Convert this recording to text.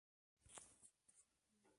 Fayad apodado El Viti, se recibió de abogado.